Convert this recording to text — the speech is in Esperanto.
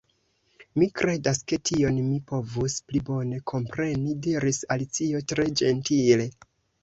"Mi kredas ke tion_ mi povus pli bone kompreni," diris Alicio tre ĝentile. "